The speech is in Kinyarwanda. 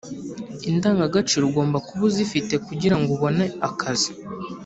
indangagaciro ugomba kuba uzifite kungirango ububbone akazi